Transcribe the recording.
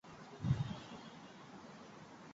梅西耶天体中列出的一组天体。